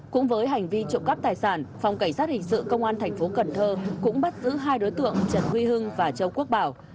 cũng với hành vi trộm cắp tài sản phòng cảnh sát hình sự công an tp cnh cũng bắt giữ hai đối tượng trần huy hưng và châu quốc bảo